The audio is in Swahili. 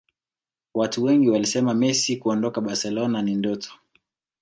Watu wengi walisema Messi kuondoka Barcelona ni ndoto